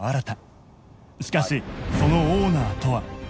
しかしそのオーナーとは